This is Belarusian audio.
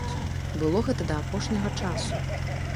Было гэта да апошняга часу.